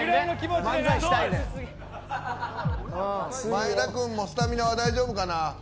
前田君もスタミナは大丈夫かな。